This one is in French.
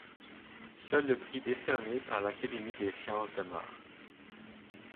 Seul le prix décerné par l'Académie des sciences demeure.